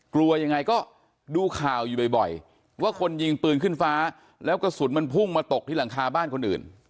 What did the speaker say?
กลัวยังไงก็ดูข่าวอยู่บ่อยว่าคนยิงปืนขึ้นฟ้าแล้วกระสุนมันพุ่งมาตกที่หลังคาบ้านคนอื่น